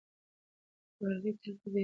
سوارلۍ تل په بیړه کې وي.